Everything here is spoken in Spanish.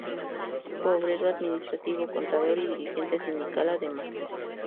Fue obrero, administrativo, contador y dirigente sindical además.